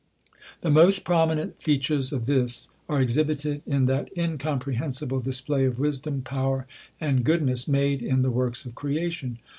The most prominent fea tures of this are exhibited in that nicomprehensible dis play of wisdom, power, and goodness, made m the works of creation.